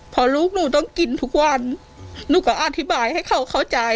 พอลูกหนูต้องกินทุกวันหนูก็อธิบายให้เขาเข้าใจ